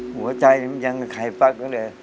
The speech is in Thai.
หัวใจยังไขฝรก